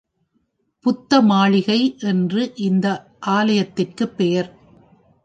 புத்தமாளிகை என்று இந்த ஆலயத்திற்குப் பெயர்.